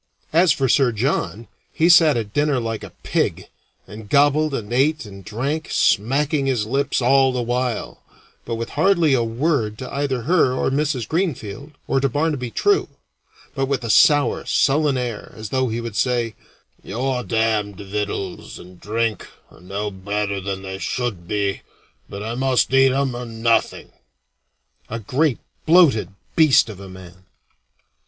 As for Sir John, he sat at dinner like a pig, and gobbled and ate and drank, smacking his lips all the while, but with hardly a word to either her or Mrs. Greenfield or to Barnaby True; but with a sour, sullen air, as though he would say, "Your damned victuals and drink are no better than they should be, but I must eat 'em or nothing." A great bloated beast of a man!